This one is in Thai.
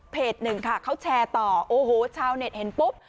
หนึ่งค่ะเขาแชร์ต่อโอ้โหชาวเน็ตเห็นปุ๊บ